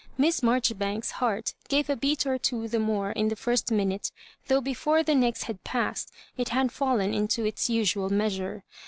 Miss Marjoribanks's heart gave a beat or two the more in the first minute, though before the next had passed, it had fallen into its usual measure.